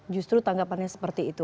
justru tanggapannya seperti itu